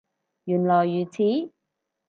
原來如此